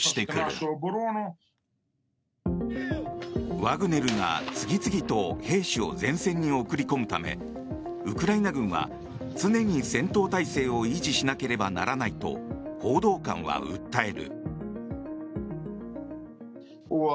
ワグネルが次々と兵士を前線に送り込むためウクライナ軍は常に戦闘態勢を維持しなければならないと報道官は訴える。